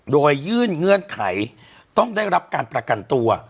โดยยื่นเงื่อนไขต้องได้รับการประกันตัว